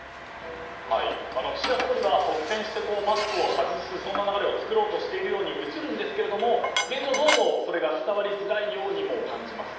岸田総理は率先してマスクを外すそんな流れを作ろうとしているように映るんですが現状どうもそれが伝わりづらいようにも感じます。